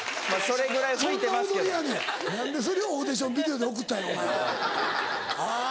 そんな踊りやねん何でそれをオーディションビデオで送ったんやお前ははぁ。